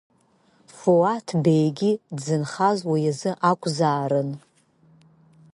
Фуаҭ Беигьы дзынхаз уи азы акәзаарын.